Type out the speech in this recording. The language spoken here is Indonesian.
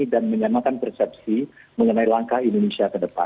dan menyamakan persepsi mengenai langkah indonesia ke depan